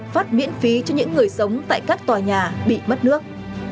phát miễn phí cho những người sống tại các tòa nhà bị mất nước